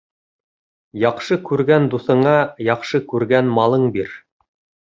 Яҡшы күргән дуҫыңа яҡшы күргән малың бир: